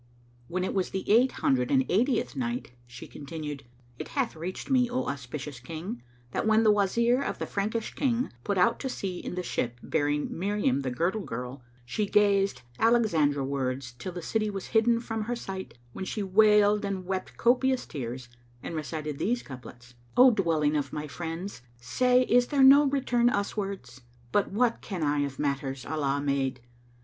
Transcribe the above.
When it was the Eight Hundred and Eightieth Night, She continued, It hath reached me, O auspicious King, that when the Wazir of the Frankish King put out to sea in the ship bearing Miriam the Girdle girl, she gazed Alexandria wards till the city was hidden from her sight when she wailed and wept copious tears and recited these couplets, "O dwelling of my friends say is there no return * Uswards? But what ken I of matters Allah made?